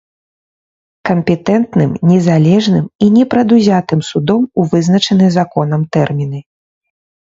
Кампетэнтным, незалежным і непрадузятым судом у вызначаныя законам тэрміны.